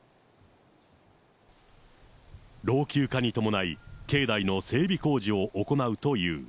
老朽化に伴い、境内の整備工事を行うという。